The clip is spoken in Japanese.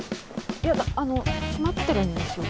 いやあの閉まってるんですよ？